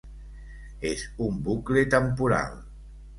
És un bucle temporal!